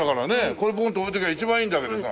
これボンと置いておけば一番いいんだけどさ。